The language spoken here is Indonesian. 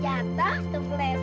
ayah rambutnya serius bos